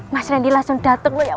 mas rendy langsung dateng lo ya